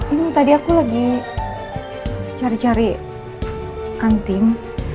ini tadi aku lagi cari cari anting